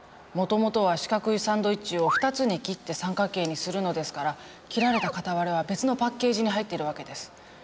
もともとは四角いサンドイッチを２つに切って三角形にするのですから切られた片割れは別のパッケージに入ってるわけです。